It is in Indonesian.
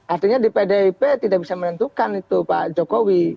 artinya di pdip tidak bisa menentukan itu pak jokowi